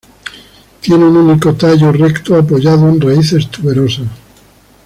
Tiene un único tallo recto, apoyado en raíces tuberosas.